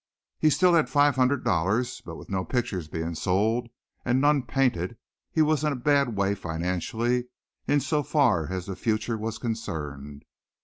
He still had five hundred dollars, but with no pictures being sold and none painted he was in a bad way financially in so far as the future was concerned.